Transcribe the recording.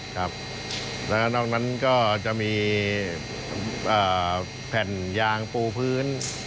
ครับแล้วนอกนั้นก็จะมีแผ่นยางปูพื้น